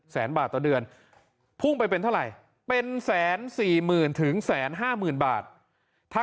แสนบาทต่อเดือนพุ่งไปเป็นเท่าไหร่เป็นแสนสี่หมื่นถึงแสนห้าหมื่นบาทถ้า